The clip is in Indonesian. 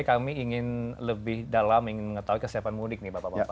kami ingin lebih dalam ingin mengetahui kesiapan mudik nih bapak bapak